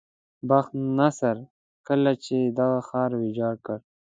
بخت نصر کله چې دغه ښار ویجاړ کړ.